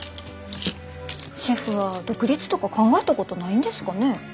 シェフは独立とか考えたことないんですかね？